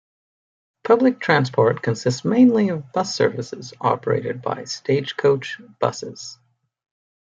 Public transport consists mainly of bus services operated by Stagecoach Buses.